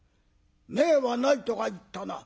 「銘はないとか言ったな」。